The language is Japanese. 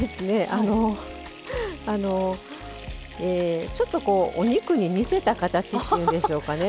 あのちょっとお肉に似せた形っていうんでしょうかね。